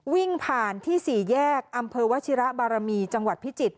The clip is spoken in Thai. วิ่งผ่านที่๔แยกอำเภอวชิระบารมีจังหวัดพิจิตร